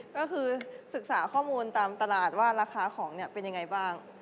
ก็คือศึกษาข้อมูลตามตลาดว่าราคาของเนี่ยเป็นยังไงบ้าง